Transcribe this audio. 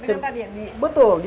seperti yang tadi ya